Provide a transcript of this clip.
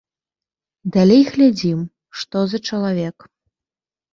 Далей глядзім, што за чалавек.